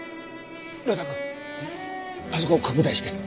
呂太くんあそこ拡大して！